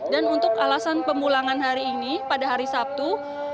dan untuk alasan pemulangan hari ini pada hari sabtu